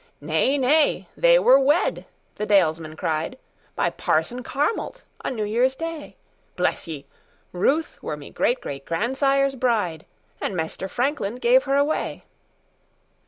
"Nay, nay, they were wed!" the dalesman cried,"By Parson Carmalt o' New Year's Day; Bless ye! Ruth were me great great grandsire's bride, And Maister Frankland gave her away."